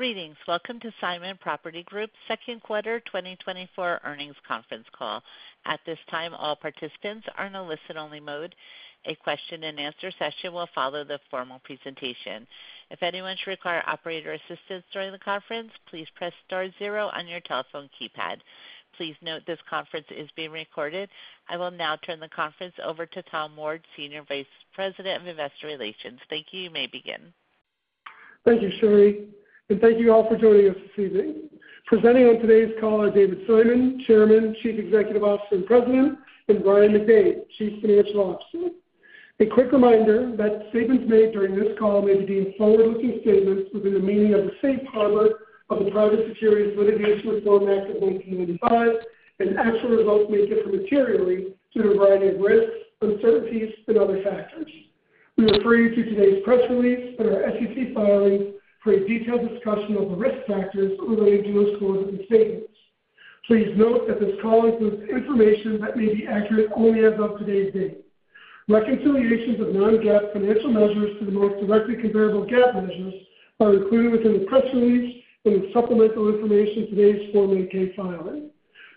Greetings! Welcome to Simon Property Group's second quarter 2024 earnings conference call. At this time, all participants are in a listen-only mode. A question-and-answer session will follow the formal presentation. If anyone should require operator assistance during the conference, please press star zero on your telephone keypad. Please note, this conference is being recorded. I will now turn the conference over to Tom Ward, Senior Vice President of Investor Relations. Thank you. You may begin. Thank you, Sherry, and thank you all for joining us this evening. Presenting on today's call are David Simon, Chairman, Chief Executive Officer, and President, and Brian McDade, Chief Financial Officer. A quick reminder that statements made during this call may be deemed forward-looking statements within the meaning of the safe harbor of the Private Securities Litigation Reform Act of 1995, and actual results may differ materially due to a variety of risks, uncertainties, and other factors. We refer you to today's press release and our SEC filings for a detailed discussion of the risk factors relating to those forward-looking statements. Please note that this call includes information that may be accurate only as of today's date. Reconciliations of non-GAAP financial measures to the most directly comparable GAAP measures are included within the press release and the supplemental information in today's Form 8-K filing.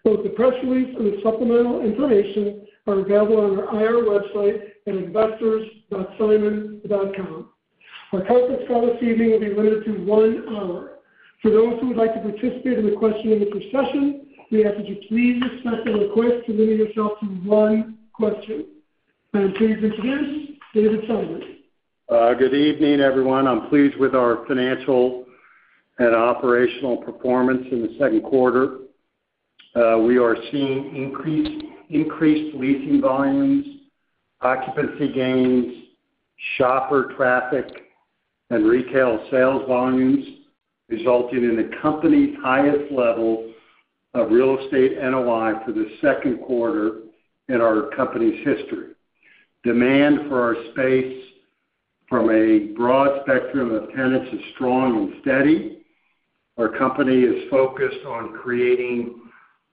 Both the press release and the supplemental information are available on our IR website at investors.simon.com. Our conference call this evening will be limited to one hour. For those who would like to participate in the question-and-answer session, we ask that you please press and request to limit yourself to one question. I'm pleased to introduce David Simon. Good evening, everyone. I'm pleased with our financial and operational performance in the second quarter. We are seeing increased, increased leasing volumes, occupancy gains, shopper traffic, and retail sales volumes, resulting in the company's highest level of real estate NOI for the second quarter in our company's history. Demand for our space from a broad spectrum of tenants is strong and steady. Our company is focused on creating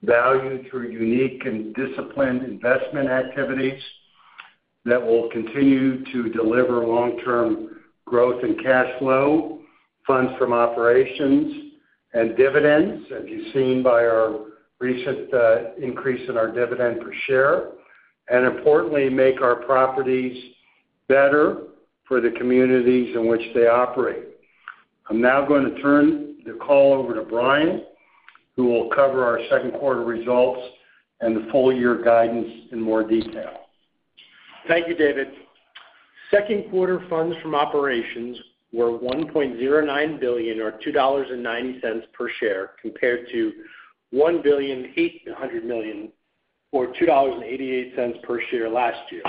value through unique and disciplined investment activities that will continue to deliver long-term growth and cash flow, funds from operations and dividends, as you've seen by our recent increase in our dividend per share, and importantly, make our properties better for the communities in which they operate. I'm now going to turn the call over to Brian, who will cover our second quarter results and the full year guidance in more detail. Thank you, David. Second quarter funds from operations were $1.09 billion or $2.90 per share, compared to $1.8 billion or $2.88 per share last year.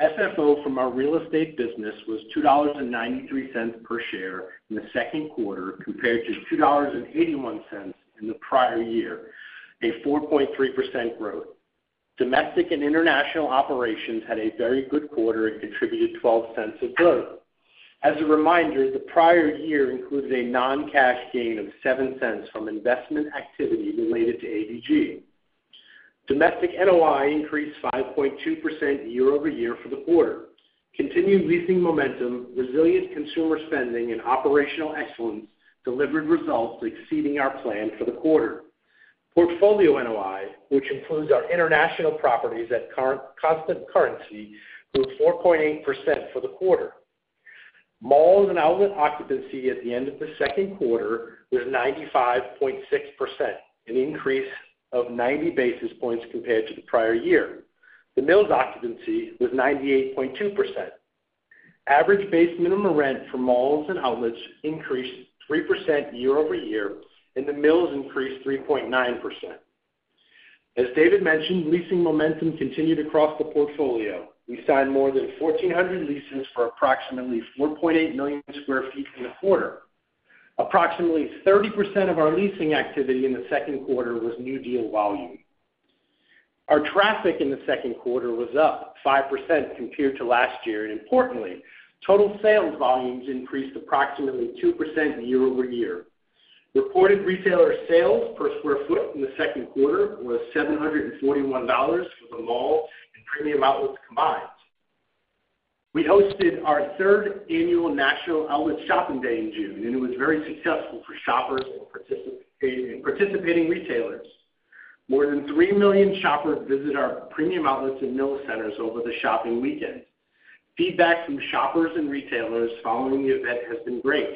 FFO from our real estate business was $2.93 per share in the second quarter, compared to $2.81 in the prior year, a 4.3% growth. Domestic and international operations had a very good quarter and contributed $0.12 of growth. As a reminder, the prior year included a non-cash gain of $0.07 from investment activity related to ABG. Domestic NOI increased 5.2% year-over-year for the quarter. Continued leasing momentum, resilient consumer spending, and operational excellence delivered results exceeding our plan for the quarter. Portfolio NOI, which includes our international properties at current constant currency, grew 4.8% for the quarter. Malls and outlet occupancy at the end of the second quarter was 95.6%, an increase of 90 basis points compared to the prior year. The Mills occupancy was 98.2%. Average base minimum rent for malls and outlets increased 3% year-over-year, and the Mills increased 3.9%. As David mentioned, leasing momentum continued across the portfolio. We signed more than 1,400 leases for approximately 4.8 million sq ft in the quarter. Approximately 30% of our leasing activity in the second quarter was new deal volume. Our traffic in the second quarter was up 5% compared to last year, and importantly, total sales volumes increased approximately 2% year-over-year. Reported retailer sales per sq ft in the second quarter was $741 for the mall and premium outlets combined. We hosted our third annual National Outlet Shopping Day in June, and it was very successful for shoppers and participating retailers. More than 3 million shoppers visit our premium outlets and Mills centers over the shopping weekend. Feedback from shoppers and retailers following the event has been great.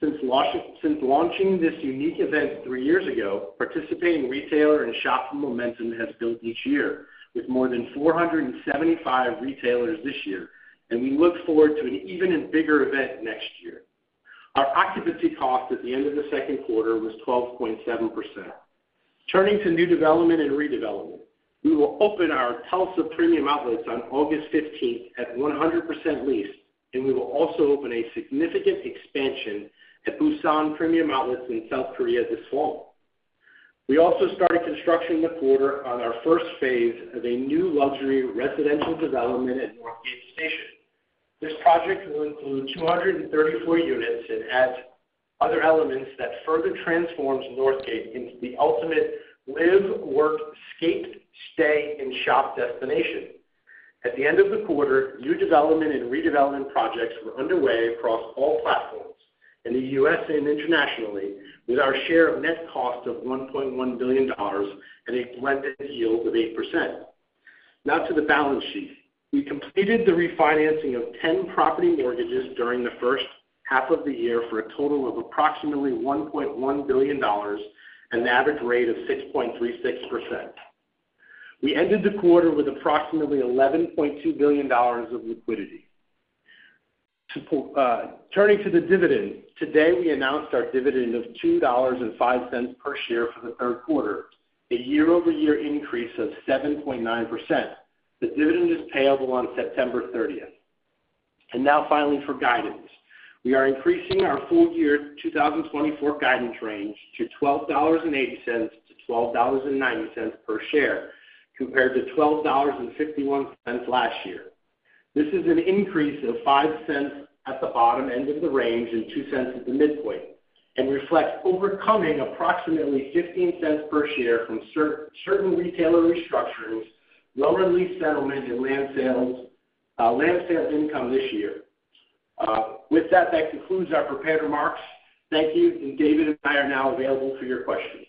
Since launching this unique event three years ago, participating retailer and shopper momentum has built each year with more than 475 retailers this year, and we look forward to an even bigger event next year. Our occupancy cost at the end of the second quarter was 12.7%. Turning to new development and redevelopment, we will open our Tulsa Premium Outlets on August 15 at 100% leased, and we will also open a significant expansion at Busan Premium Outlets in South Korea this fall. We also started construction in the quarter on our first phase of a new luxury residential development at Northgate Station. This project will include 234 units and adds other elements that further transforms Northgate into the ultimate live, work, play, stay, and shop destination. At the end of the quarter, new development and redevelopment projects were underway across all platforms in the U.S. and internationally, with our share of net cost of $1.1 billion and a blended yield of 8%. Now to the balance sheet. We completed the refinancing of ten property mortgages during the first half of the year for a total of approximately $1.1 billion, an average rate of 6.36%. We ended the quarter with approximately $11.2 billion of liquidity. Turning to the dividend, today, we announced our dividend of $2.05 per share for the third quarter, a year-over-year increase of 7.9%. The dividend is payable on September 30th. And now finally, for guidance. We are increasing our full-year 2024 guidance range to $12.80-$12.90 per share, compared to $12.51 last year. This is an increase of $0.05 at the bottom end of the range and $0.02 at the midpoint, and reflects overcoming approximately $0.15 per share from certain retailer restructurings, lower lease settlement and land sales, land sales income this year. With that, that concludes our prepared remarks. Thank you, and David and I are now available for your questions.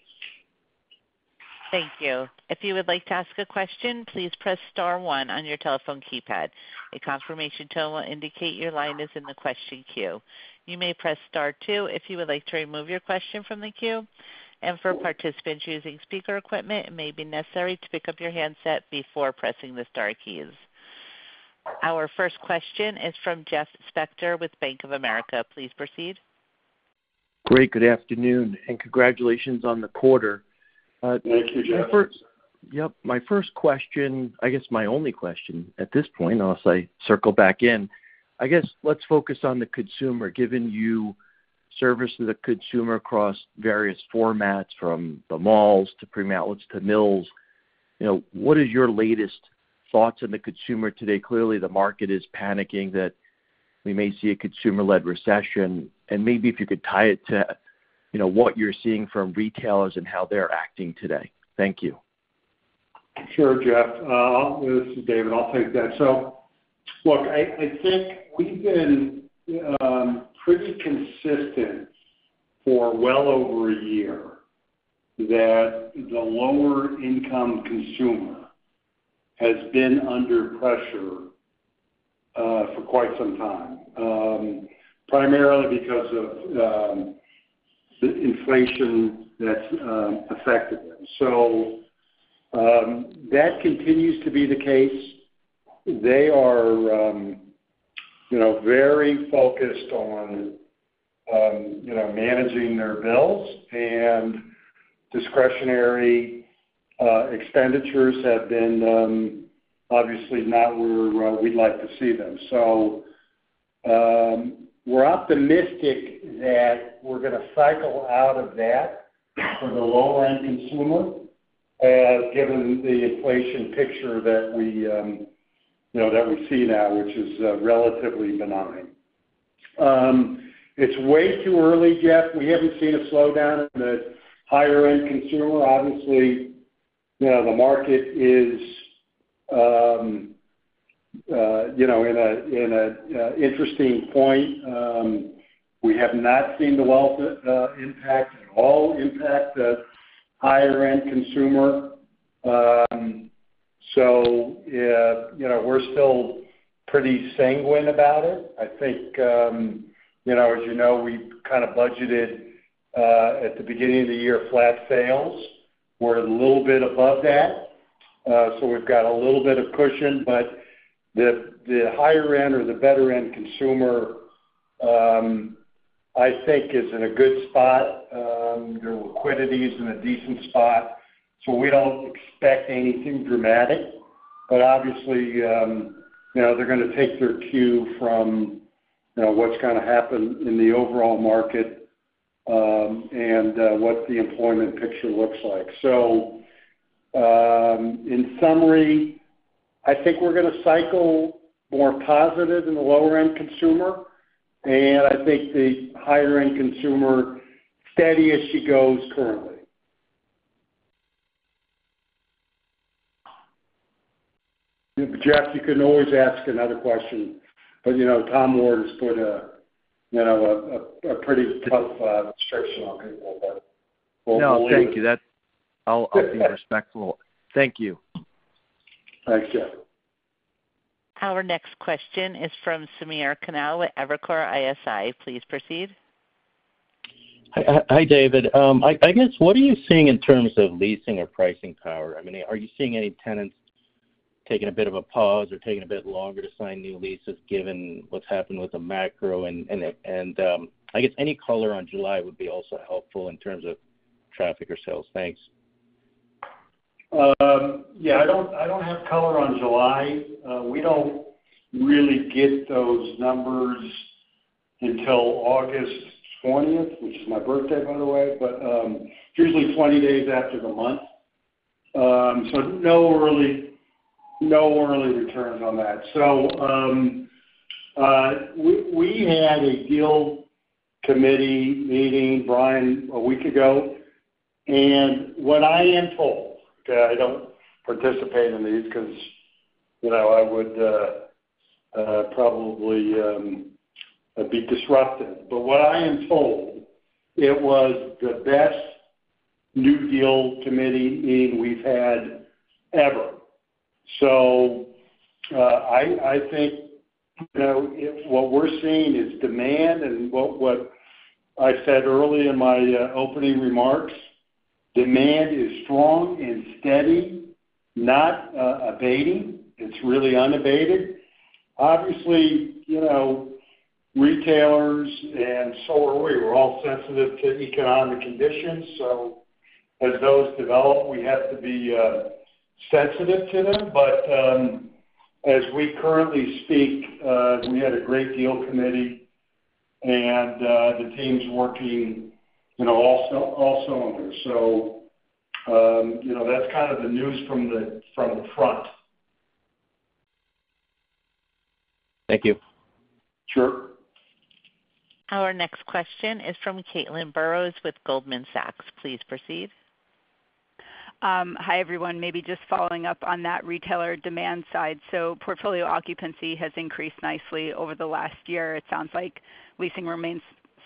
Thank you. If you would like to ask a question, please press star one on your telephone keypad. A confirmation tone will indicate your line is in the question queue. You may press star two if you would like to remove your question from the queue, and for participants using speaker equipment, it may be necessary to pick up your handset before pressing the star keys. Our first question is from Jeff Spector with Bank of America. Please proceed. Great, good afternoon, and congratulations on the quarter. Thank you, Jeff. My first question, I guess my only question at this point, unless I circle back in, I guess, let's focus on the consumer. Given you service the consumer across various formats, from the malls to premium outlets to mills, you know, what is your latest thoughts on the consumer today? Clearly, the market is panicking that we may see a consumer-led recession. Maybe if you could tie it to, you know, what you're seeing from retailers and how they're acting today. Thank you. Sure, Jeff. This is David. I'll take that. So look, I think we've been pretty consistent for well over a year that the lower income consumer has been under pressure for quite some time, primarily because of the inflation that's affected them. So, that continues to be the case. They are, you know, very focused on, you know, managing their bills, and discretionary expenditures have been obviously not where we'd like to see them. So, we're optimistic that we're gonna cycle out of that for the lower end consumer, given the inflation picture that we, you know, that we see now, which is relatively benign. It's way too early, Jeff. We haven't seen a slowdown in the higher end consumer. Obviously, you know, the market is, you know, in an interesting point. We have not seen the wealth impact at all impact the higher end consumer. So, you know, we're still pretty sanguine about it. I think, you know, as you know, we've kind of budgeted at the beginning of the year, flat sales. We're a little bit above that, so we've got a little bit of cushion. But the higher end or the better end consumer, I think is in a good spot. Their liquidity is in a decent spot, so we don't expect anything dramatic. But obviously, you know, they're gonna take their cue from, you know, what's gonna happen in the overall market, and what the employment picture looks like. So, in summary, I think we're gonna cycle more positive in the lower end consumer, and I think the higher end consumer, steady as she goes currently. Jeff, you can always ask another question, but, you know, Tom Ward has put a, you know, pretty tough restriction on people, but- No, thank you. That's... I'll be respectful. Thank you. Thanks, Jeff. Our next question is from Samir Khanal with Evercore ISI. Please proceed. Hi, hi, David. I guess, what are you seeing in terms of leasing or pricing power? I mean, are you seeing any tenants taking a bit of a pause or taking a bit longer to sign new leases, given what's happened with the macro? And, I guess any color on July would be also helpful in terms of traffic or sales. Thanks. Yeah, I don't have color on July. We don't really get those numbers until August 20th, which is my birthday, by the way, but usually 20 days after the month. So no early returns on that. So, we had a deal committee meeting, Brian, a week ago. What I am told, okay, I don't participate in these because, you know, I would probably be disruptive. But what I am told, it was the best new deal committee meeting we've had ever. So, I think, you know, if what we're seeing is demand and what I said early in my opening remarks, demand is strong and steady, not abating. It's really unabated. Obviously, you know, retailers, and so are we, we're all sensitive to economic conditions. So as those develop, we have to be sensitive to them. But as we currently speak, we had a great deal committee, and the team's working, you know, also, also on this. So you know, that's kind of the news from the, from the front. Thank you. Sure. Our next question is from Caitlin Burrows with Goldman Sachs. Please proceed. Hi, everyone. Maybe just following up on that retailer demand side. So portfolio occupancy has increased nicely over the last year. It sounds like leasing remains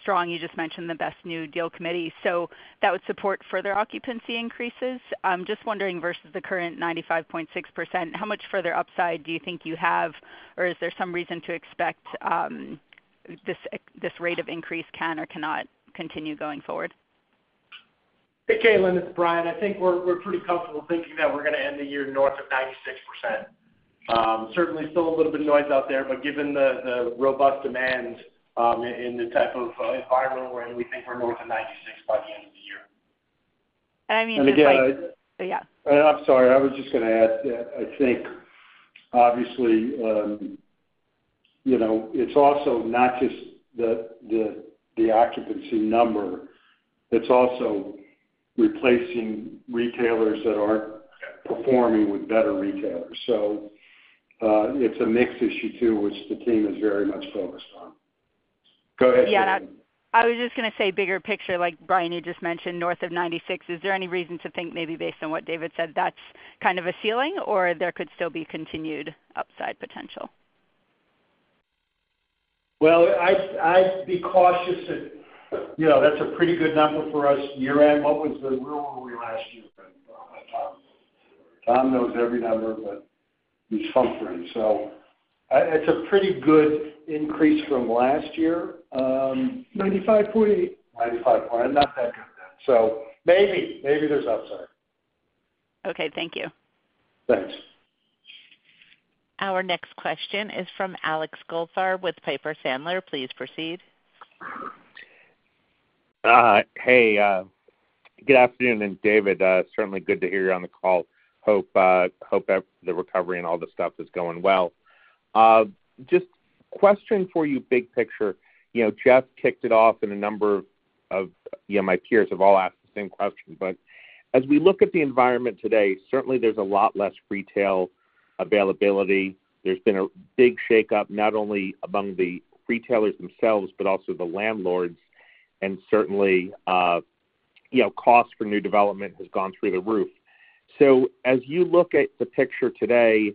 strong. You just mentioned the best new deal committee. So that would support further occupancy increases? Just wondering, versus the current 95.6%, how much further upside do you think you have? Or is there some reason to expect, this rate of increase can or cannot continue going forward? Hey, Caitlin, it's Brian. I think we're, we're pretty comfortable thinking that we're gonna end the year north of 96%. Certainly still a little bit of noise out there, but given the, the robust demand, in the type of environment we're in, we think we're north of 96% by the end of the year. I mean, yeah. And I'm sorry, I was just gonna add, I think obviously, you know, it's also not just the occupancy number, it's also replacing retailers that aren't performing with better retailers. So, it's a mix issue, too, which the team is very much focused on. Go ahead. Yeah, I was just gonna say bigger picture, like Brian, you just mentioned north of 96. Is there any reason to think maybe based on what David said, that's kind of a ceiling, or there could still be continued upside potential? Well, I'd be cautious that, you know, that's a pretty good number for us year-end. Where were we last year, Tom? Tom knows every number, but he's suffering. So, it's a pretty good increase from last year. 95.8. 95 point... Not that good, then. So maybe, maybe there's upside. Okay. Thank you. Thanks. Our next question is from Alex Goldfarb with Piper Sandler. Please proceed. Hey, good afternoon, and David, certainly good to hear you on the call. Hope, hope the recovery and all the stuff is going well. Just question for you, big picture. You know, Jeff kicked it off, and a number of, you know, my peers have all asked the same question. But as we look at the environment today, certainly there's a lot less retail availability. There's been a big shakeup, not only among the retailers themselves, but also the landlords, and certainly, you know, cost for new development has gone through the roof. So as you look at the picture today,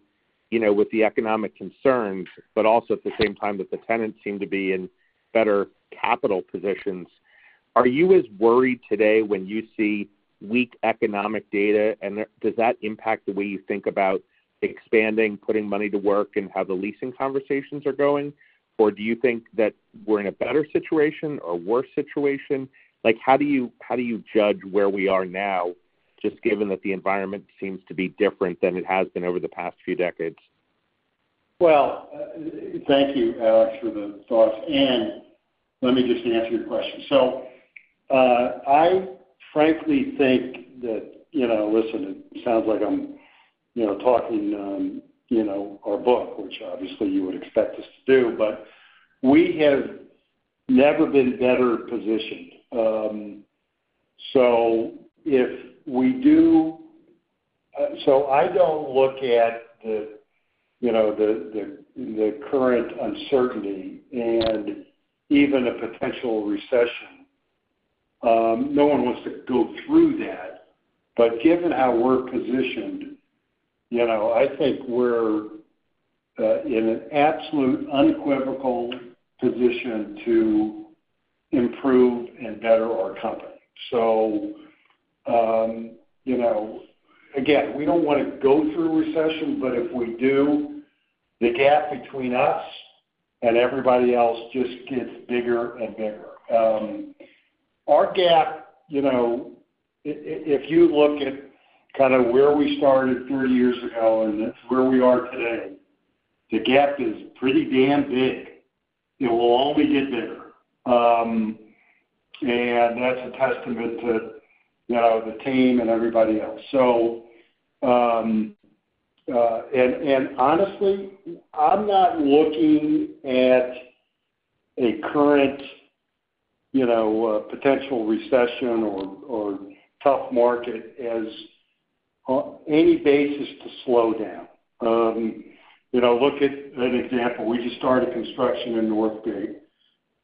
you know, with the economic concerns, but also at the same time, that the tenants seem to be in better capital positions, are you as worried today when you see weak economic data, and does that impact the way you think about expanding, putting money to work, and how the leasing conversations are going? Or do you think that we're in a better situation or worse situation? Like, how do you, how do you judge where we are now, just given that the environment seems to be different than it has been over the past few decades? Well, thank you, Alex, for the thoughts, and let me just answer your question. So, I frankly think that, you know, listen, it sounds like I'm, you know, talking, you know, our book, which obviously you would expect us to do, but we have never been better positioned. So if we do, so I don't look at the, you know, the current uncertainty and even a potential recession. No one wants to go through that, but given how we're positioned, you know, I think we're in an absolute unequivocal position to improve and better our company. So, you know, again, we don't want to go through a recession, but if we do, the gap between us and everybody else just gets bigger and bigger. Our gap, you know, if you look at kind of where we started 30 years ago and where we are today, the gap is pretty damn big. It will only get bigger. And that's a testament to, you know, the team and everybody else. So, honestly, I'm not looking at a current, you know, potential recession or tough market as any basis to slow down. You know, look at an example. We just started construction in Northgate...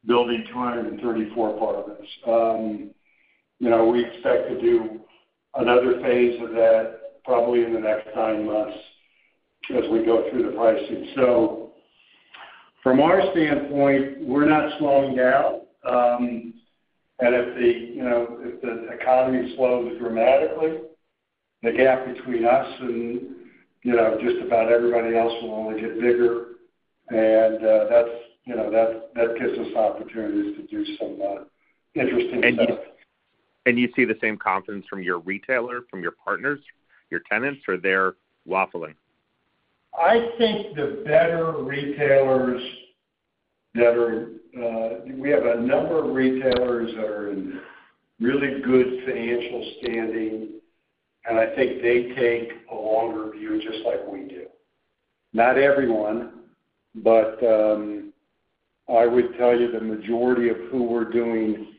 building 234 apartments. You know, we expect to do another phase of that probably in the next 9 months as we go through the pricing. So from our standpoint, we're not slowing down. And if the, you know, if the economy slows dramatically, the gap between us and, you know, just about everybody else will only get bigger, and that's, you know, that gives us opportunities to do some interesting stuff. And you see the same confidence from your retailer, from your partners, your tenants, or they're waffling? I think the better retailers that are, we have a number of retailers that are in really good financial standing, and I think they take a longer view, just like we do. Not everyone, but I would tell you the majority of who we're doing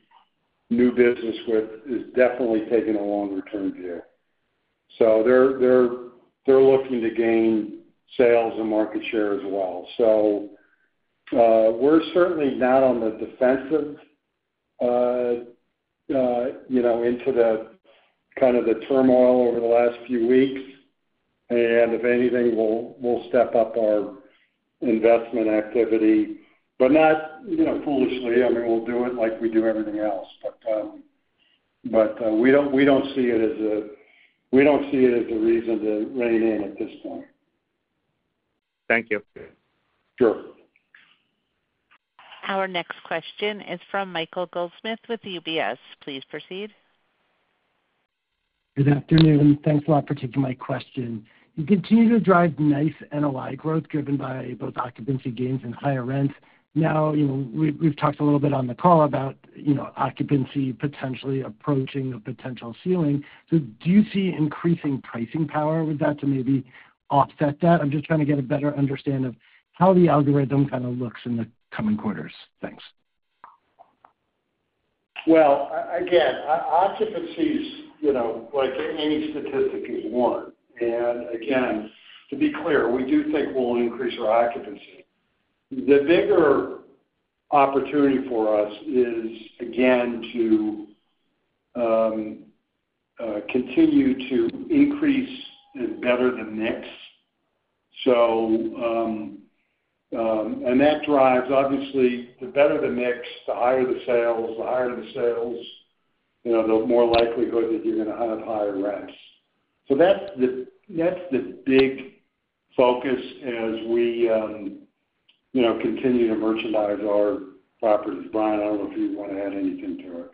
new business with is definitely taking a longer-term view. So they're looking to gain sales and market share as well. So, we're certainly not on the defensive, you know, into the kind of the turmoil over the last few weeks. And if anything, we'll step up our investment activity, but not, you know, foolishly. I mean, we'll do it like we do everything else, but we don't see it as a reason to rein in at this point. Thank you. Sure. Our next question is from Michael Goldsmith with UBS. Please proceed. Good afternoon, thanks a lot for taking my question. You continue to drive nice NOI growth, driven by both occupancy gains and higher rents. Now, you know, we've talked a little bit on the call about, you know, occupancy potentially approaching a potential ceiling. So do you see increasing pricing power with that to maybe offset that? I'm just trying to get a better understanding of how the algorithm kind of looks in the coming quarters. Thanks. Well, again, occupancy is, you know, like any statistic, is one. And again, to be clear, we do think we'll increase our occupancy. The bigger opportunity for us is, again, to continue to increase in better the mix. So, and that drives, obviously, the better the mix, the higher the sales. The higher the sales, you know, the more likelihood that you're gonna have higher rents. So that's the, that's the big focus as we, you know, continue to merchandise our properties. Brian, I don't know if you want to add anything to it.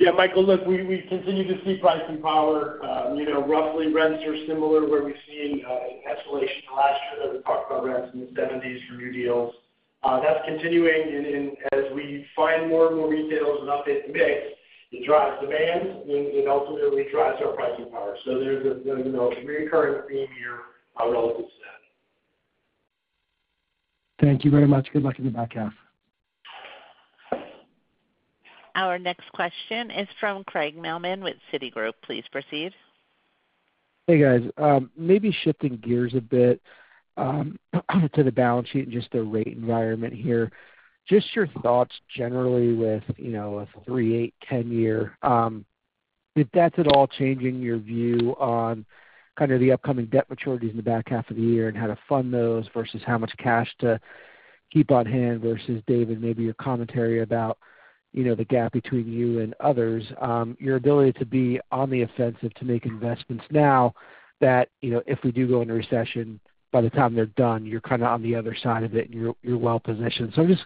Yeah, Michael, look, we continue to see pricing power. You know, roughly, rents are similar to where we've seen in escalation last year, that we talked about rents in the 70s for new deals. That's continuing as we find more and more retailers and update the mix, it drives demand and ultimately drives our pricing power. So there's, you know, a recurring theme here relative to that. Thank you very much. Good luck in the back half. Our next question is from Craig Mailman with Citigroup. Please proceed. Hey, guys. Maybe shifting gears a bit, to the balance sheet and just the rate environment here. Just your thoughts generally with, you know, a 3-year, 8-year, 10-year. If that's at all changing your view on kind of the upcoming debt maturities in the back half of the year and how to fund those, versus how much cash to keep on hand, versus, David, maybe your commentary about, you know, the gap between you and others. Your ability to be on the offensive to make investments now that, you know, if we do go into recession, by the time they're done, you're kind of on the other side of it, and you're well positioned. So I'm just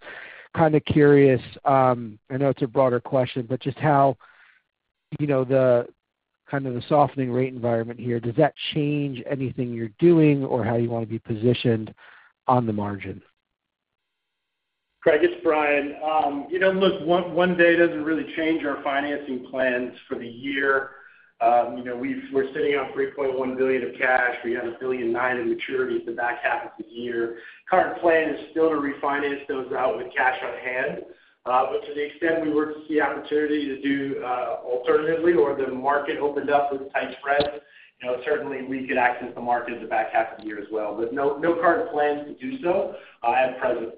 kind of curious, I know it's a broader question, but just how, you know, the kind of the softening rate environment here, does that change anything you're doing or how you want to be positioned on the margin? Craig, it's Brian. You know, look, one day doesn't really change our financing plans for the year. You know, we're sitting on $3.1 billion of cash. We have $1.9 billion in maturities in the back half of the year. Current plan is still to refinance those out with cash on hand. But to the extent we were to see opportunity to do alternatively, or the market opened up with tight spreads, you know, certainly we could access the market in the back half of the year as well. But no, no current plans to do so at present.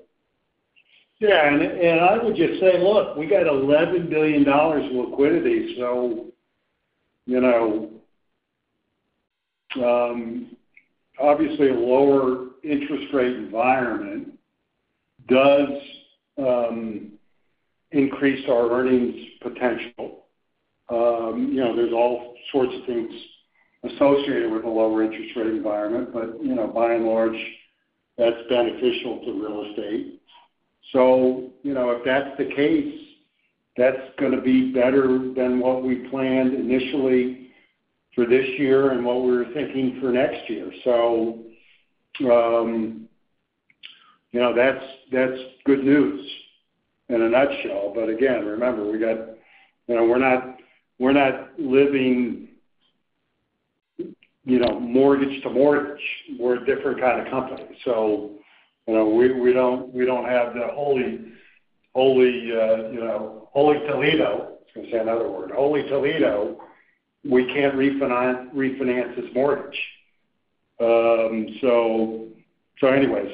Yeah, and, and I would just say, look, we got $11 billion in liquidity, so, you know, obviously, a lower interest rate environment does increase our earnings potential. You know, there's all sorts of things associated with a lower interest rate environment but, you know, by and large, that's beneficial to real estate. So, you know, if that's the case, that's gonna be better than what we planned initially for this year and what we were thinking for next year. So, you know, that's good news in a nutshell. But again, remember, we got... You know, we're not living, you know, mortgage to mortgage. We're a different kind of company. So, you know, we don't have the holy, holy, you know, holy Toledo! I was gonna say another word. Holy Toledo, we can't refinance this mortgage. So anyway,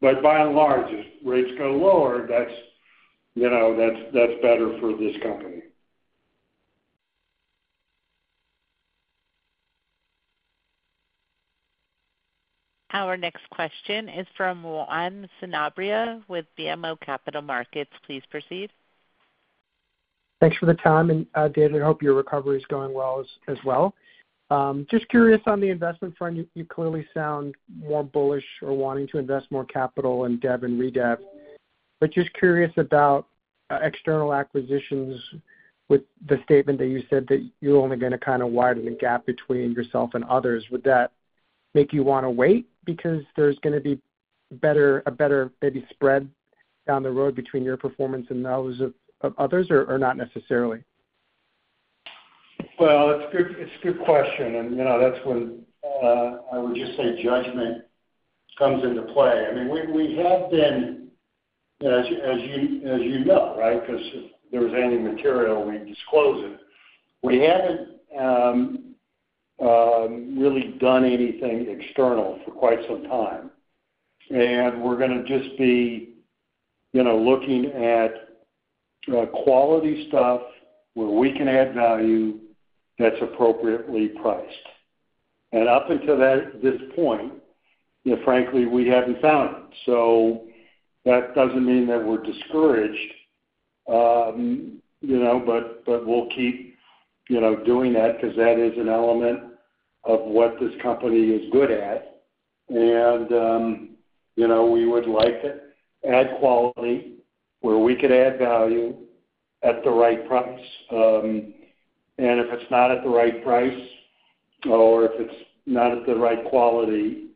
but by and large, as rates go lower, that's, you know, that's better for this company. Our next question is from Juan Sanabria with BMO Capital Markets. Please proceed. Thanks for the time, and David, I hope your recovery is going well as well. Just curious on the investment front, you clearly sound more bullish or wanting to invest more capital in dev and redev. But just curious about external acquisitions with the statement that you said that you're only gonna kind of widen the gap between yourself and others. Would that make you want to wait because there's gonna be better, a better maybe spread down the road between your performance and those of others, or not necessarily? Well, it's a good, it's a good question, and, you know, that's when I would just say judgment comes into play. I mean, we, we have been, as you, as you, as you know, right? Because if there was any material, we'd disclose it. We haven't really done anything external for quite some time, and we're gonna just be, you know, looking at quality stuff where we can add value that's appropriately priced. And up until that... this point, you know, frankly, we haven't found it. So that doesn't mean that we're discouraged, you know, but, but we'll keep, you know, doing that because that is an element of what this company is good at. And, you know, we would like to add quality where we could add value at the right price. And if it's not at the right price or if it's not at the right quality,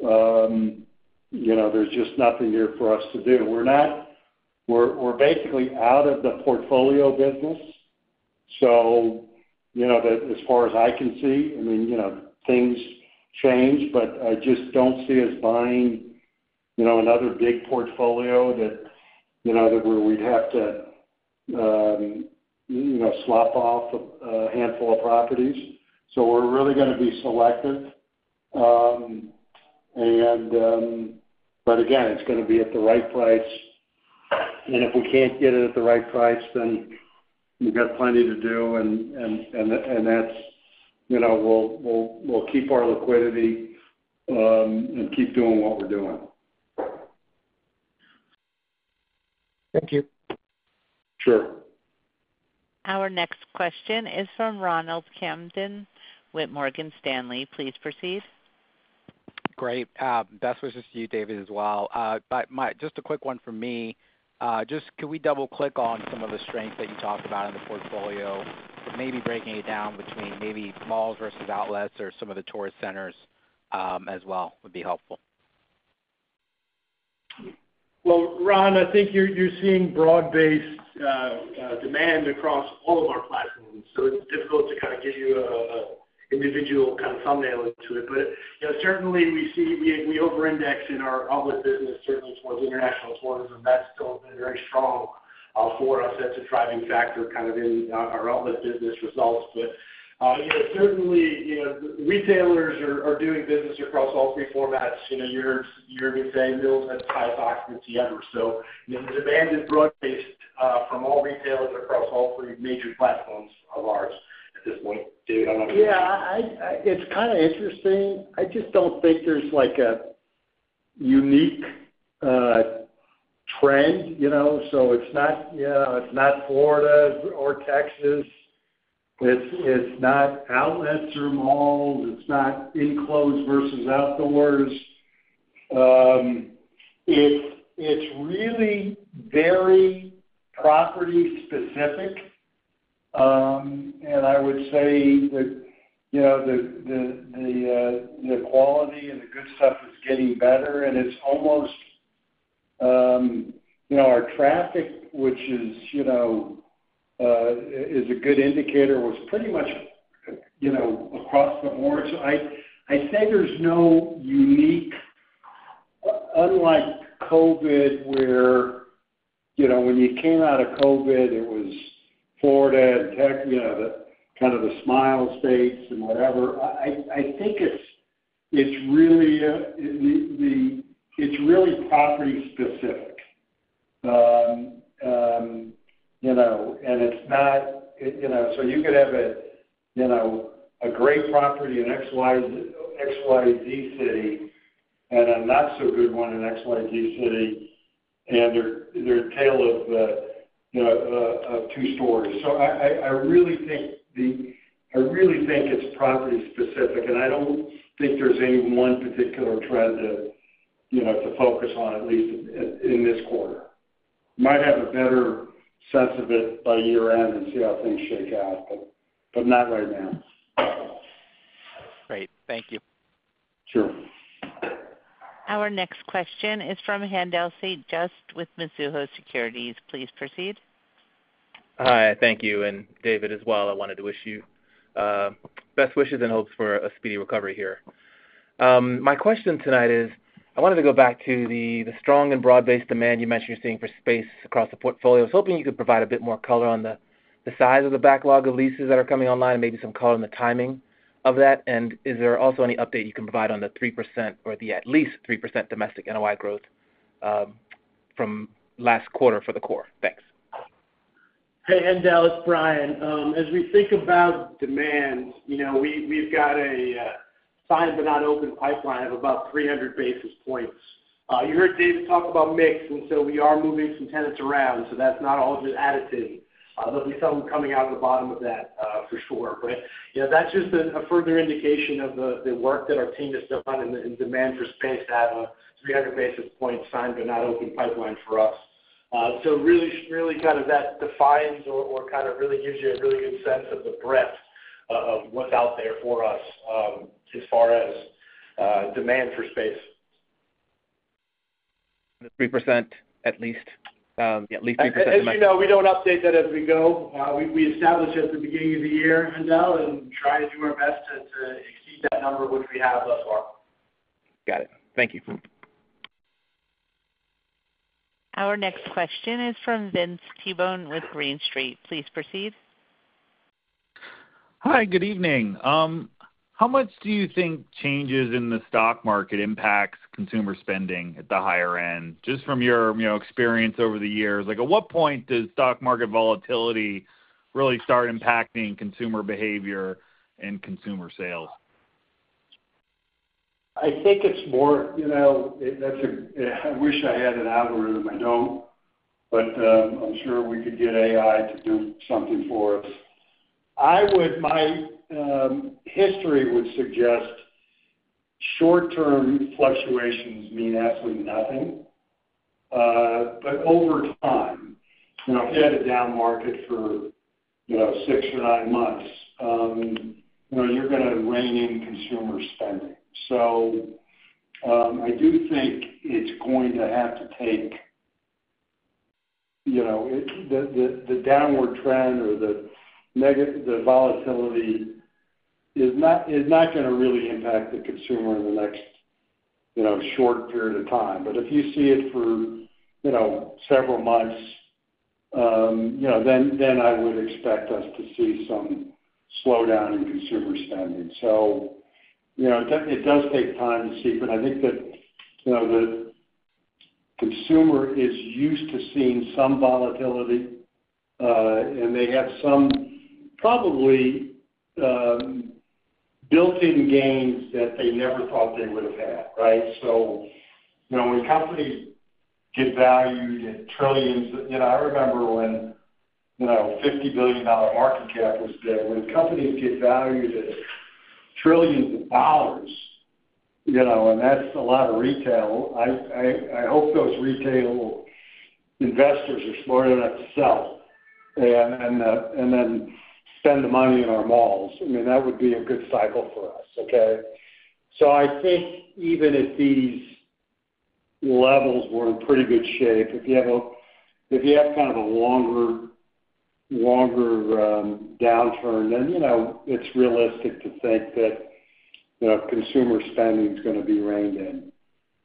you know, there's just nothing there for us to do. We're not. We're basically out of the portfolio business, so, you know, that as far as I can see, I mean, you know, things change, but I just don't see us buying, you know, another big portfolio that, you know, that where we'd have to, you know, slough off a handful of properties. So we're really gonna be selective. But again, it's gonna be at the right price, and if we can't get it at the right price, then we've got plenty to do, and that's, you know, we'll keep our liquidity, and keep doing what we're doing. Thank you. Sure. Our next question is from Ronald Kamden with Morgan Stanley. Please proceed. Great. Best wishes to you, David, as well. But just a quick one from me. Just could we double-click on some of the strengths that you talked about in the portfolio? Maybe breaking it down between maybe malls versus outlets or some of the tourist centers, as well, would be helpful. Well, Ron, I think you're seeing broad-based demand across all of our platforms, so it's difficult to kind of give you an individual kind of thumbnail into it. But, you know, certainly, we see we overindex in our outlet business, certainly towards international tourism. That's still been very strong for us. That's a driving factor kind of in our outlet business results. But, you know, certainly, you know, retailers are doing business across all three formats. You know, you're gonna say bills and tie boxes together. So, you know, the demand is broad-based from all retailers across all three major platforms of ours at this point. David, I don't know- Yeah, it's kind of interesting. I just don't think there's, like, a unique trend, you know? So it's not, you know, it's not Florida or Texas. It's not outlets or malls. It's not enclosed versus outdoors. It's really very property specific. And I would say that, you know, the quality and the good stuff is getting better, and it's almost, you know, our traffic, which is, you know, is a good indicator, was pretty much, you know, across the board. So I'd say there's no unique, unlike COVID, where, you know, when you came out of COVID, it was Florida and Texas, you know, the kind of smile states and whatever. I think it's really the-- it's really property specific. You know, and it's not, you know. So you could have a, you know, a great property in XYZ, XYZ city and a not-so-good one in XYZ city, and they're a tale of, you know, of two stories. So I really think it's property specific, and I don't think there's any one particular trend that, you know, to focus on, at least in this quarter. Might have a better sense of it by year-end and see how things shake out, but not right now. Great. Thank you. Sure. Our next question is from Haendel St. Juste with Mizuho Securities. Please proceed. Hi, thank you. And David, as well, I wanted to wish you best wishes and hopes for a speedy recovery here. My question tonight is, I wanted to go back to the strong and broad-based demand you mentioned you're seeing for space across the portfolio. I was hoping you could provide a bit more color onthe size of the backlog of leases that are coming online and maybe some call on the timing of that? And is there also any update you can provide on the 3% or at least 3% domestic NOI growth from last quarter for the core? Thanks. Hey, Haendel, its Brian, as we think about demand, you know, we've got a signed, but not open pipeline of about 300 basis points. You heard David talk about mix, and so we are moving some tenants around, so that's not all just additive. There'll be some coming out of the bottom of that, for sure. But, you know, that's just a further indication of the work that our team has done and the demand for space to have a 300 basis points signed, but not open pipeline for us. So really kind of that defines or kind of really gives you a really good sense of the breadth of what's out there for us, as far as demand for space. The 3%, at least, at least 3%- As you know, we don't update that as we go. We establish it at the beginning of the year, Linda, and try to do our best to exceed that number, which we have thus far. Got it. Thank you. Our next question is from Vince Tibone with Green Street. Please proceed. Hi, good evening. How much do you think changes in the stock market impacts consumer spending at the higher end? Just from your, you know, experience over the years, like, at what point does stock market volatility really start impacting consumer behavior and consumer sales? I think it's more, you know, it's that's a... I wish I had an algorithm. I don't, but, I'm sure we could get AI to do something for us. I would, my, history would suggest short-term fluctuations mean absolutely nothing. But over time, you know, if you had a down market for, you know, 6 or 9 months, you know, you're gonna rein in consumer spending. So, I do think it's going to have to take, you know, the, the, the downward trend or the negati- the volatility is not, is not gonna really impact the consumer in the next, you know, short period of time. But if you see it for, you know, several months, you know, then, then I would expect us to see some slowdown in consumer spending. So, you know, it does take time to see, but I think that, you know, the consumer is used to seeing some volatility, and they have some probably built-in gains that they never thought they would have had, right? So, you know, when companies get valued at trillions of dollars... You know, I remember when, you know, $50 billion market cap was dead. When companies get valued at trillions of dollars, you know, and that's a lot of retail. I hope those retail investors are smart enough to sell, and then spend the money in our malls. I mean, that would be a good cycle for us, okay? So I think even at these levels, we're in pretty good shape. If you have kind of a longer downturn, then, you know, it's realistic to think that, you know, consumer spending is gonna be reined in.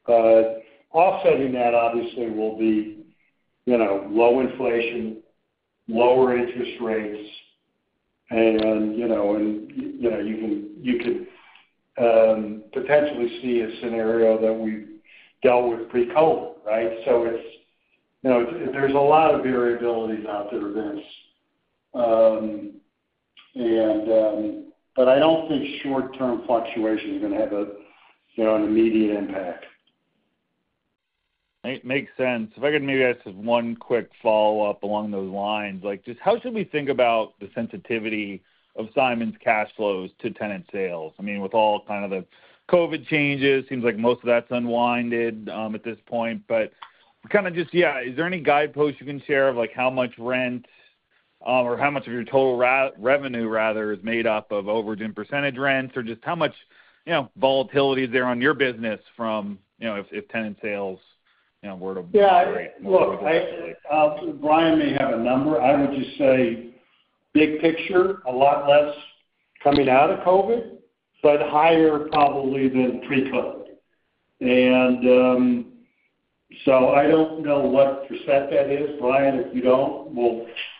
But offsetting that obviously will be, you know, low inflation, lower interest rates, and, you know, and, you know, you could potentially see a scenario that we've dealt with pre-COVID, right? So it's, you know, there's a lot of variability out there, Vince. But I don't think short-term fluctuations are gonna have a, you know, an immediate impact. Makes sense. If I could maybe ask just one quick follow-up along those lines. Like, just how should we think about the sensitivity of Simon's cash flows to tenant sales? I mean, with all kind of the COVID changes, seems like most of that's unwound at this point. But kind of just, yeah, is there any guidepost you can share of, like, how much rent or how much of your total revenue, rather, is made up of overage and percentage rents? Or just how much, you know, volatility is there on your business from, you know, if tenant sales, you know, were to- Yeah, look, I, Brian may have a number. I would just say, big picture, a lot less coming out of COVID, but higher probably than pre-COVID. And, so I don't know what percent that is. Brian, if you don't,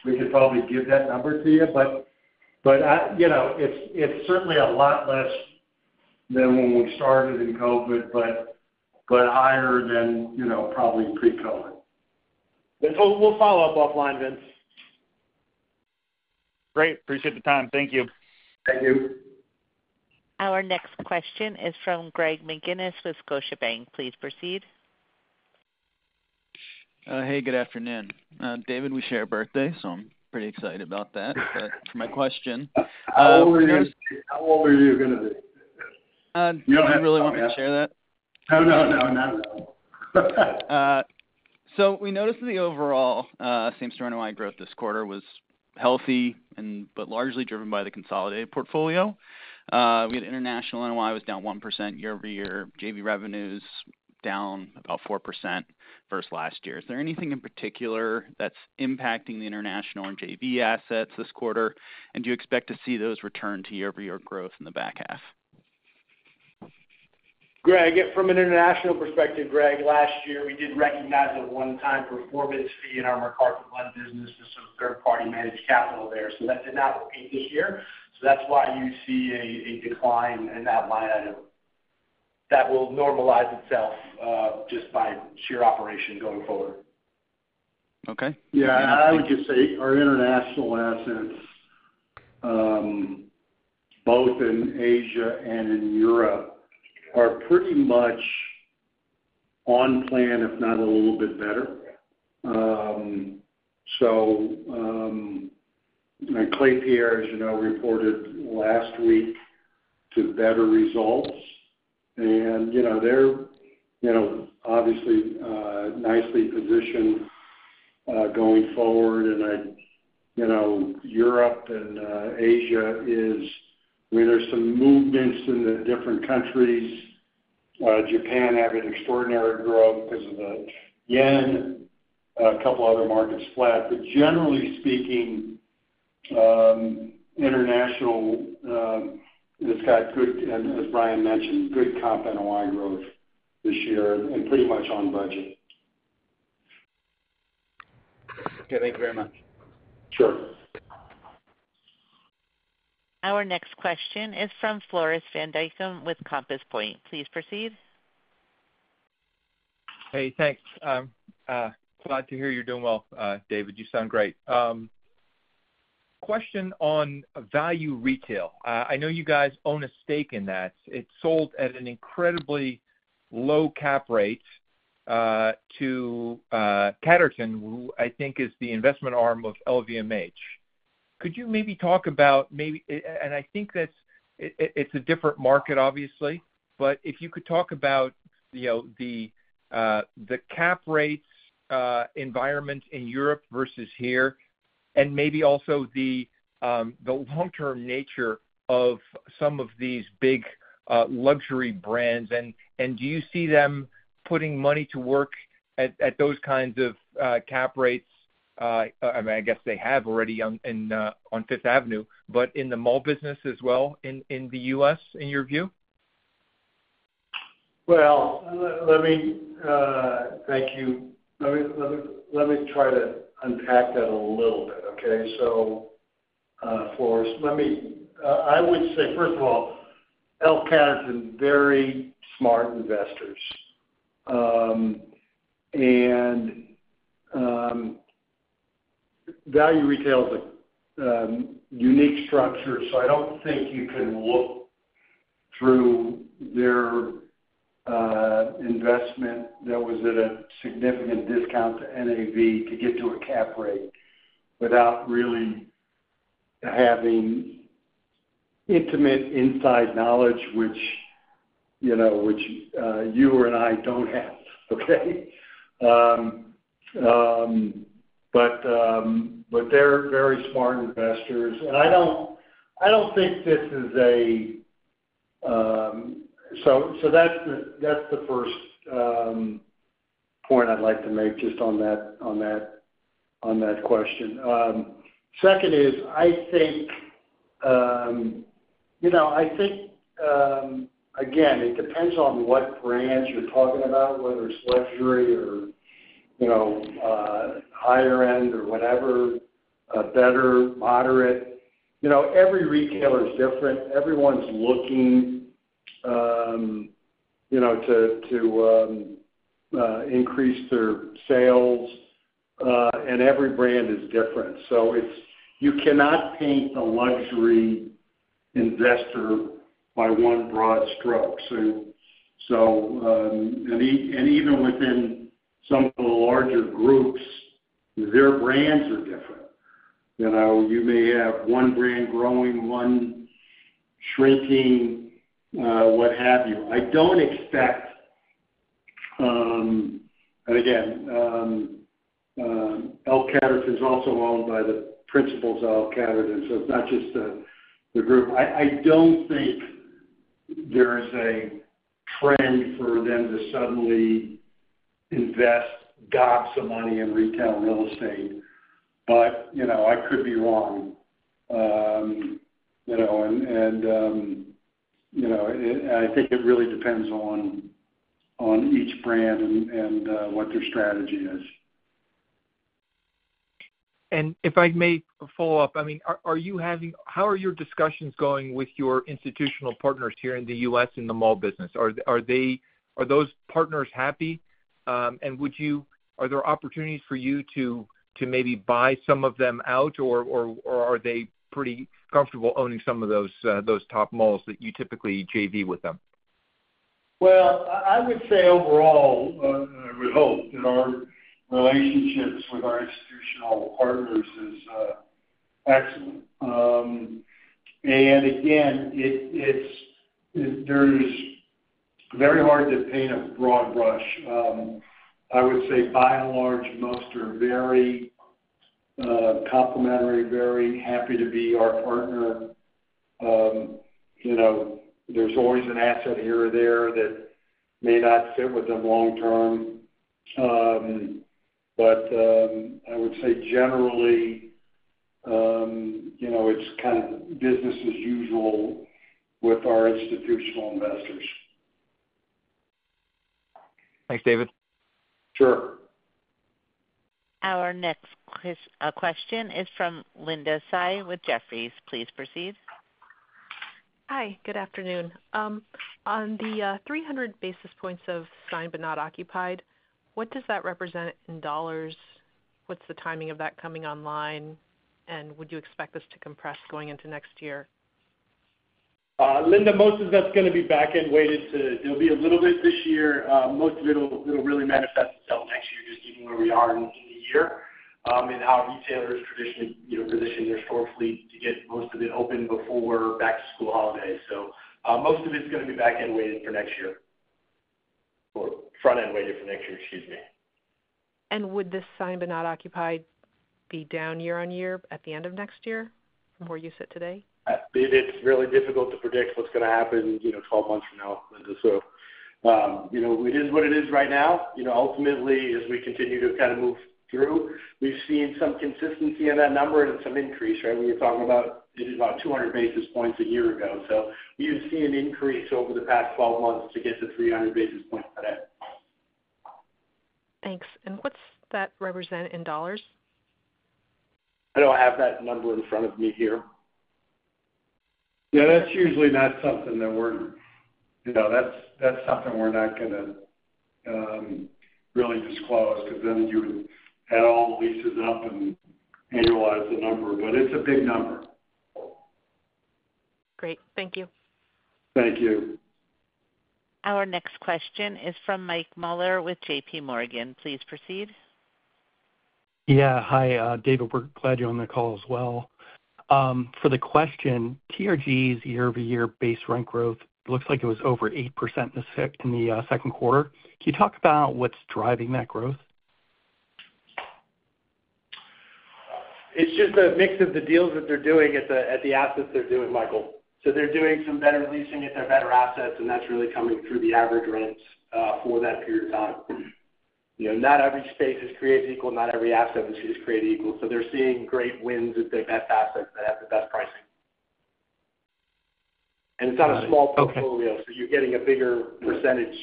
we could probably give that number to you. But, I... You know, it's certainly a lot less than when we started in COVID, but higher than, you know, probably pre-COVID. We'll follow up offline, Vince. Great. Appreciate the time. Thank you. Thank you. Our next question is from Greg McGinnis with Scotiabank. Please proceed. Hey, good afternoon. David, we share a birthday, so I'm pretty excited about that. But for my question, there's- How old are you? How old are you gonna be? Uh- You don't have to tell me. Do you really want me to share that? No, no, no, not at all. So we noticed that the overall, same store NOI growth this quarter was healthy and, but largely driven by the consolidated portfolio. We had international NOI was down 1% year-over-year, JV revenues down about 4% versus last year. Is there anything in particular that's impacting the international and JV assets this quarter? And do you expect to see those return to year-over-year growth in the back half? Greg, from an international perspective, Greg, last year, we did recognize a one-time performance fee in our McArthurGlen business, and some third party managed capital there. So that did not repeat this year. So that's why you see a decline in that line item. That will normalize itself just by sheer operation going forward. Okay. Yeah, and I would just say our international assets, both in Asia and in Europe, are pretty much on plan, if not a little bit better. So, Klépierre, as you know, reported last week to better results. And, you know, they're, you know, obviously, nicely positioned, going forward. And I... You know, Europe and, Asia is, I mean, there's some movements in the different countries. Japan having extraordinary growth because of the yen, a couple other markets flat. But generally speaking, international, it's got good, and as Brian mentioned, good comp NOI growth this year, and pretty much on budget. Okay, thank you very much. Sure. Our next question is from Floris van Dijkum with Compass Point. Please proceed. Hey, thanks. Glad to hear you're doing well, David, you sound great. Question on Value Retail. I know you guys own a stake in that. It sold at an incredibly low cap rate to Catterton, who I think is the investment arm of LVMH. Could you maybe talk about, and I think that's, it's a different market, obviously, but if you could talk about, you know, the, the cap rates environment in Europe versus here, and maybe also the, the long-term nature of some of these big, luxury brands, and, do you see them putting money to work at, at those kinds of, cap rates? I mean, I guess they have already on Fifth Avenue, but in the mall business as well, in the U.S., in your view? Well, let me... Thank you. Let me try to unpack that a little bit, okay? So, Floris, let me... I would say, first of all, L Catterton, very smart investors. And value retail is a unique structure, so I don't think you can look through their investment that was at a significant discount to NAV to get to a cap rate, without really having intimate inside knowledge, which, you know, you or I don't have, okay? But they're very smart investors, and I don't think this is a... So that's the first point I'd like to make just on that question. Second is, I think, you know, I think, again, it depends on what brands you're talking about, whether it's luxury or, you know, higher end or whatever, better, moderate. You know, every retailer is different. Everyone's looking, you know, to, to, increase their sales, and every brand is different. So it's you cannot paint a luxury investor by one broad stroke. So, so, and even within some of the larger groups, their brands are different. You know, you may have one brand growing, one shrinking, what have you. I don't expect... And again, L Catterton is also owned by the principals of L Catterton, so it's not just, the group. I don't think there is a trend for them to suddenly invest gobs of money in retail real estate, but, you know, I could be wrong. You know, I think it really depends on each brand and what their strategy is. If I may follow up, I mean, how are your discussions going with your institutional partners here in the U.S., in the mall business? Are those partners happy? Are there opportunities for you to maybe buy some of them out, or are they pretty comfortable owning some of those top malls that you typically JV with them? Well, I would say overall, I would hope that our relationships with our institutional partners is excellent. And again, it's very hard to paint a broad brush. I would say by and large, most are very complimentary, very happy to be our partner. You know, there's always an asset here or there that may not fit with them long term. But I would say generally, you know, it's kind of business as usual with our institutional investors. Thanks, David. Sure. Our next question is from Linda Tsai with Jefferies. Please proceed. Hi, good afternoon. On the 300 basis points of signed but not occupied, what does that represent in dollars? What's the timing of that coming online, and would you expect this to compress going into next year? Linda, most of that's gonna be back-end weighted too—there'll be a little bit this year, most of it'll, it'll really manifest itself next year, just given where we are in the year, and how retailers traditionally, you know, position their store fleet to get most of it open before back-to-school holidays. So, most of it's gonna be back-end weighted for next year, or front-end weighted for next year, excuse me. Would this signed but not occupied be down year-over-year at the end of next year from where you sit today? It is really difficult to predict what's gonna happen, you know, 12 months from now, Linda. So, you know, it is what it is right now. You know, ultimately, as we continue to kind of move through, we've seen some consistency in that number and some increase, right? We were talking about, it was about 200 basis points a year ago. So we've seen an increase over the past 12 months to get to 300 basis points today. Thanks. What's that represent in dollars? I don't have that number in front of me here. Yeah, that's usually not something that we're, you know, that's something we're not gonna really disclose, because then you would add all the leases up and annualize the number. But it's a big number. Great. Thank you. Thank you. Our next question is from Michael Mueller with J.P. Morgan. Please proceed. Yeah. Hi, David, we're glad you're on the call as well. For the question, TRG's year-over-year base rent growth looks like it was over 8% in the second quarter. Can you talk about what's driving that growth? It's just a mix of the deals that they're doing at the assets they're doing, Michael. So they're doing some better leasing at their better assets, and that's really coming through the average rents for that period of time. You know, not every space is created equal, not every asset is created equal, so they're seeing great wins with the best assets that have the best pricing. And it's not a small portfolio, so you're getting a bigger percentage.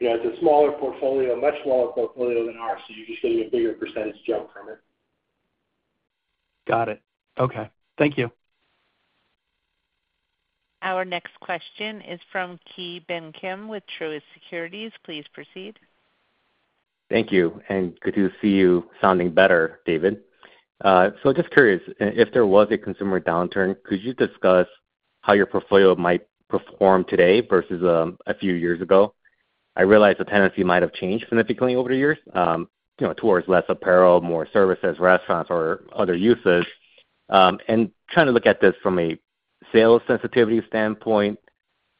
You know, it's a smaller portfolio, much smaller portfolio than ours, so you're just getting a bigger percentage jump from it. Got it. Okay. Thank you. Our next question is from Ki Bin Kim with Truist Securities. Please proceed. Thank you, and good to see you sounding better, David. So just curious, if there was a consumer downturn, could you discuss how your portfolio might perform today versus a few years ago? I realize the tenancy might have changed significantly over the years, you know, towards less apparel, more services, restaurants, or other uses. And trying to look at this from a sales sensitivity standpoint,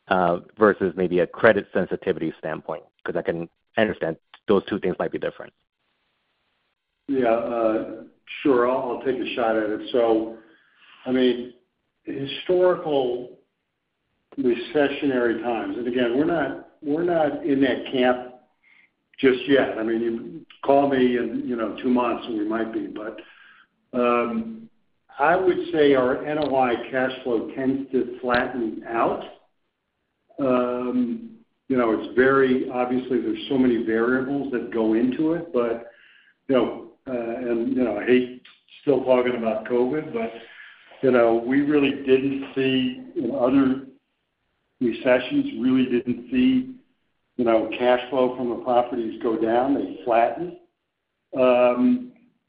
versus maybe a credit sensitivity standpoint, because I can understand those two things might be different. Yeah, sure. I'll take a shot at it. So, I mean, historical recessionary times, and again, we're not in that camp just yet. I mean, you call me in, you know, two months, and we might be. But, I would say our NOI cash flow tends to flatten out. You know, it's very obviously, there's so many variables that go into it, but, you know, and, you know, I hate still talking about COVID, but, you know, we really didn't see. In other recessions, really didn't see, you know, cash flow from the properties go down. They flattened.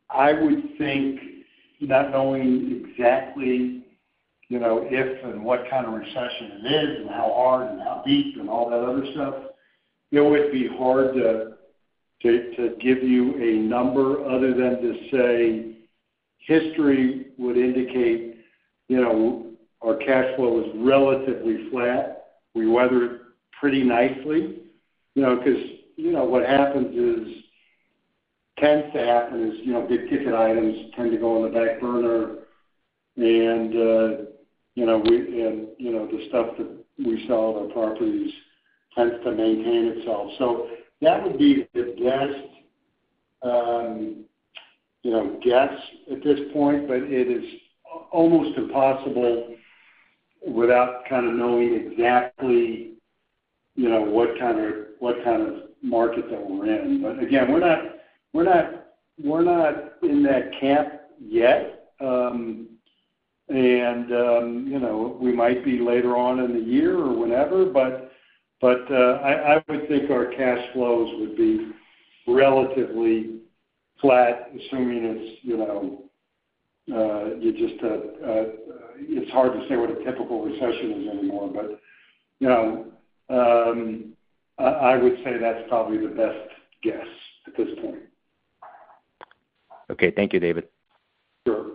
I would think, not knowing exactly, you know, if and what kind of recession it is and how hard and how deep and all that other stuff, you know, it'd be hard to give you a number other than to say history would indicate, you know, our cash flow is relatively flat. We weather it pretty nicely. You know, because, you know, what happens is, tends to happen is, you know, big-ticket items tend to go on the back burner, and, you know, we and, you know, the stuff that we sell at our properties tends to maintain itself. So that would be the best, you know, guess at this point, but it is almost impossible without kind of knowing exactly, you know, what kind of, what kind of market that we're in. But again, we're not in that camp yet. And, you know, we might be later on in the year or whenever, but I would think our cash flows would be relatively flat, assuming it's, you know. It's hard to say what a typical recession is anymore, but, you know, I would say that's probably the best guess at this point. Okay. Thank you, David. Sure.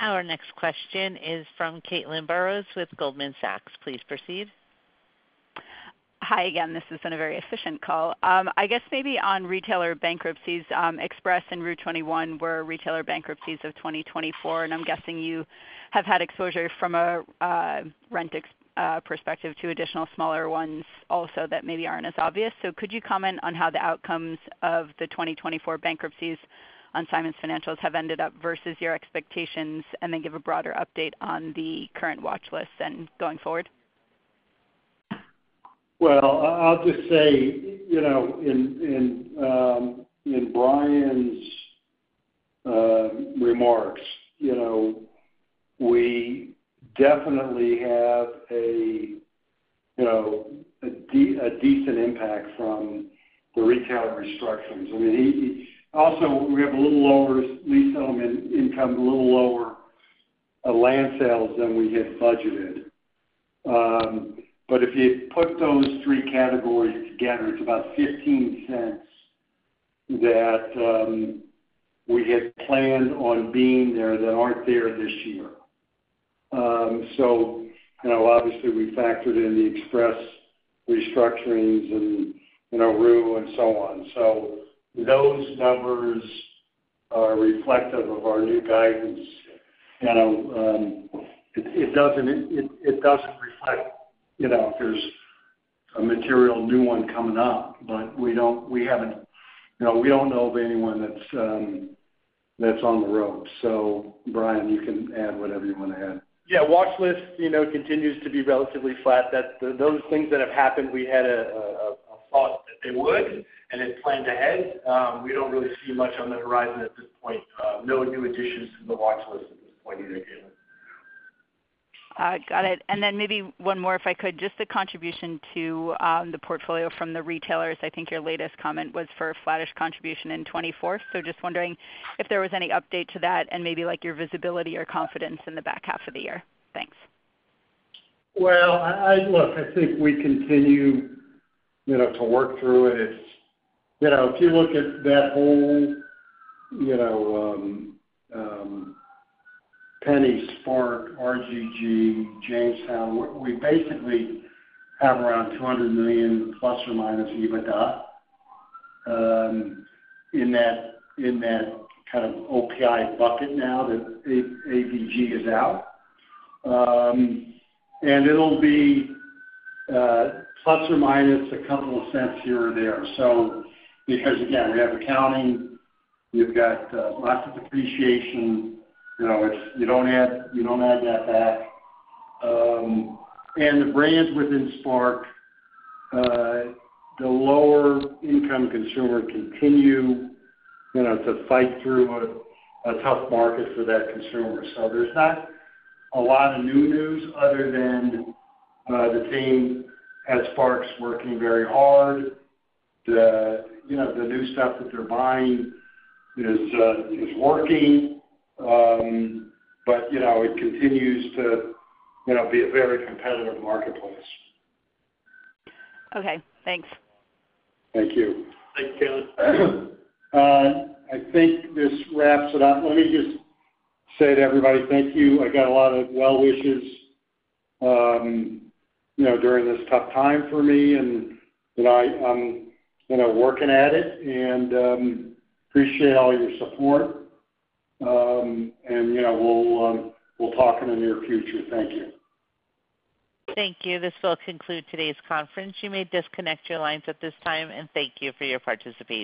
Our next question is from Caitlin Burrows with Goldman Sachs. Please proceed. Hi again. This has been a very efficient call. I guess maybe on retailer bankruptcies, Express and Rue21 were retailer bankruptcies of 2024, and I'm guessing you have had exposure from a rent exposure perspective to additional smaller ones also that maybe aren't as obvious. So could you comment on how the outcomes of the 2024 bankruptcies on Simon's financials have ended up versus your expectations, and then give a broader update on the current watch list and going forward? Well, I'll just say, you know, in Brian's remarks, you know, we definitely have a decent impact from the retail restructurings. I mean, he also, we have a little lower lease settlement income, a little lower land sales than we had budgeted. But if you put those three categories together, it's about $0.15 that we had planned on being there that aren't there this year. So, you know, obviously, we factored in the express restructurings and, you know, Rue and so on. So those numbers are reflective of our new guidance. You know, it doesn't reflect, you know, there's a material new one coming up, but we don't, we haven't... You know, we don't know of anyone that's on the road. Brian, you can add whatever you want to add. Yeah, watchlist, you know, continues to be relatively flat. That those things that have happened, we had a thought that they would, and it's planned ahead. We don't really see much on the horizon at this point. No new additions to the watchlist at this point either, Caitlin. Got it. And then maybe one more, if I could, just the contribution to the portfolio from the retailers. I think your latest comment was for flattish contribution in 2024. So just wondering if there was any update to that and maybe, like, your visibility or confidence in the back half of the year. Thanks. Well, look, I think we continue, you know, to work through it. It's, you know, if you look at that whole, you know, Penney, SPARC, RGG, Jamestown, we basically have around $200 million ± EBITDA in that, in that kind of OPI bucket now that ABG is out. And it'll be plus or minus a couple of cents here or there. So because, again, you have accounting, you've got lots of depreciation. You know, it's, you don't add, you don't add that back. And the brands within SPARC, the lower income consumer continue, you know, to fight through a tough market for that consumer. So there's not a lot of new news other than the team at SPARC's working very hard. You know, the new stuff that they're buying is working, but you know, it continues to, you know, be a very competitive marketplace. Okay, thanks. Thank you. Thanks, Caitlin. I think this wraps it up. Let me just say to everybody, thank you. I got a lot of well wishes, you know, during this tough time for me, and, you know, I'm, you know, working at it, and, appreciate all your support. And, you know, we'll talk in the near future. Thank you. Thank you. This will conclude today's conference. You may disconnect your lines at this time, and thank you for your participation.